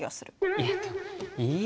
いやえ？